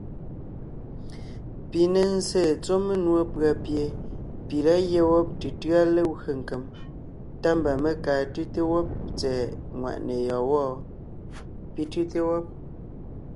Pi ne zsé tsɔ́ menùɔ pʉ̀a pie pi lǎ gyɛ́ tʉtʉ́a legwé nkem, tá mba mé kaa tʉ́te wɔ́b tsɛ̀ɛ nwàʼne yɔ́ɔn wɔ́? pi tʉ́te wɔ́b.